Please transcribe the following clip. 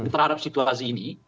terhadap situasi ini